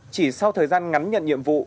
chỉ sau thời gian ngắn nhận nhiệm vụ